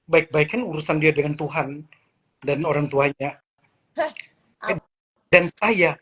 baik baik urusan dia dengan tuhan dan orangtuanya dan saya